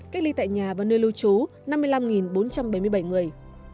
cách ly tại nhà và nơi lưu trú năm mươi năm bốn trăm bảy mươi bảy người